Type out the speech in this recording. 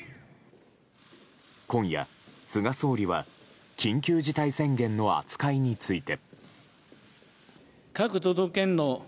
今夜、菅総理は緊急事態宣言の扱いについて。